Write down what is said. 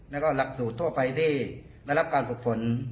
แล้วก็หลักสูตรทั่วไปที่ได้รับการฝึกฝน